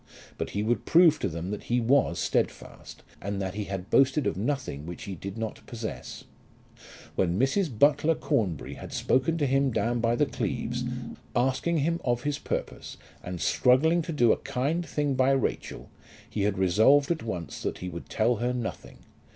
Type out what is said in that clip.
But he would prove to them that he was stedfast, and that he had boasted of nothing which he did not possess. When Mrs. Butler Cornbury had spoken to him down by the Cleeves, asking him of his purpose, and struggling to do a kind thing by Rachel, he had resolved at once that he would tell her nothing.